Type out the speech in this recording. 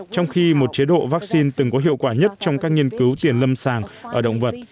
trong khi một chế độ vaccine từng có hiệu quả nhất trong các nghiên cứu tiền lâm sàng ở động vật